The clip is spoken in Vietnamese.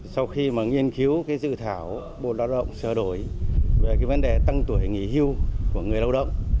sau khi mà nghiên cứu cái dự thảo bộ lao động sửa đổi về cái vấn đề tăng tuổi nghỉ hưu của người lao động